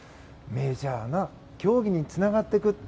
メジャーな競技につながっていく。